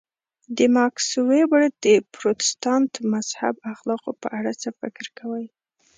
د ماکس وېبر د پروتستانت مذهب اخلاقو په اړه څه فکر کوئ.